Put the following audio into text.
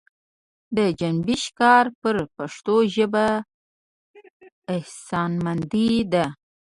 د جنبش کار پر پښتو ژبه احسانمندي ده.